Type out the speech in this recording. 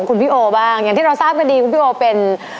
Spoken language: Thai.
คุณพี่โอบ้างอย่างที่เราทราบกันดีคุณพี่โอเป็น